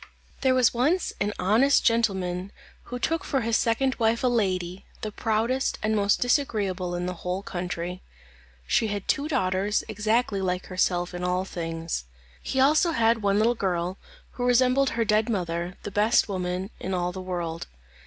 There was once an honest gentle man who took for his second wife a lady, the proudest and most disagreeable in the whole country. She had two daughters exactly like herself in all things. He also had one little girl, who resembled her dead mother, the best woman in all the world.